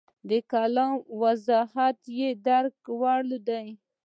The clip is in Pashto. د کلام وضاحت یې د درک وړ دی.